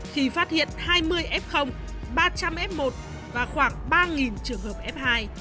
khi phát hiện hai mươi f ba trăm linh f một và khoảng ba trường hợp f hai